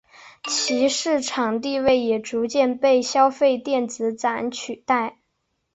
其市场地位也逐渐被消费电子展取代。